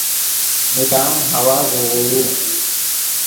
مدام ہوا زوغوؤ